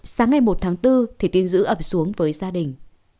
sáng ngày một tháng bốn thì tiên giữ ập xuống với gia đình